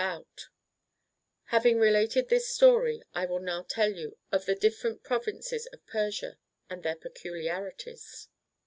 THE THREE MAGI 8 1 Having related this story, I will now tell you of the different provinces of Persia, and their peculiarities.